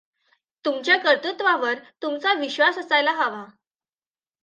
तुमच्या कर्तुत्वावर तुमचा विश्वास असायला हवा.